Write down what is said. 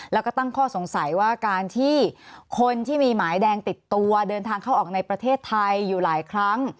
แล้วก็ตั้งข้อสงสัยว่าการที่คนที่มีหมายแดงติดตัวเดินทางเข้าออกในประเทศไทยอยู่หลายครั้ง